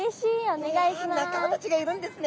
わ仲間たちがいるんですね。